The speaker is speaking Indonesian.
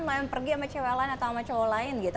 mau pergi sama cewek lain atau sama cowok lain gitu